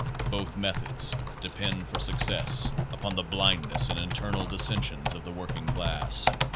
Both methods depend for suc Pasre Thirty seven &# cess upon the blindness and internal dissensions of the working class.